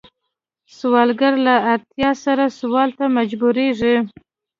سوالګر له اړتیا سره سوال ته مجبوریږي